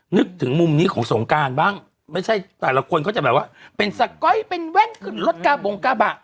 นึกถึงมุมนี้ของสงการบ้างไม่ใช่แต่ละคนเขาจะแบบว่าเป็นสก๊อยเป็นแว่นขึ้นรถกาบงกาบะ